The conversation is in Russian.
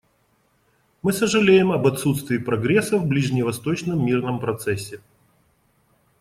Мы сожалеем об отсутствии прогресса в ближневосточном мирном процессе.